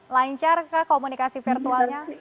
lancar kah komunikasi virtualnya